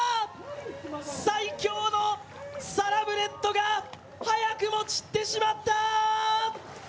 最強のサラブレッドが早くも散ってしまった。